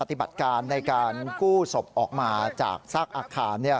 ปฏิบัติการในการกู้ศพออกมาจากซากอาคาร